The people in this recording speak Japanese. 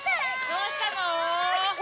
・どうしたの？